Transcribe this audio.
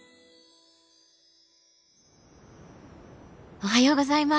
おはようございます。